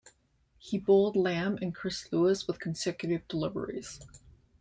He bowled Lamb and Chris Lewis with consecutive deliveries.